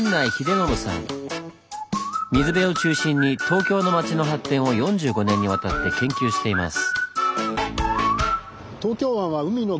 水辺を中心に東京の街の発展を４５年にわたって研究しています。